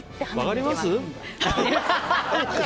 分かります？